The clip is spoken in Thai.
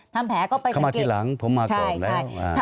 ทำแผลก็ไปก่อนเข้ามาทีหลังผมมาก่อนแล้ว